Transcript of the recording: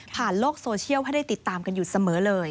โลกโซเชียลให้ได้ติดตามกันอยู่เสมอเลย